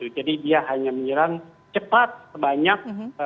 jadi dia hanya menyerang cepat sebanyak